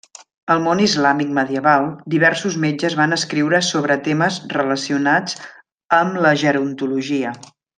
Al món islàmic medieval, diversos metges van escriure sobre temes relacionats amb la gerontologia.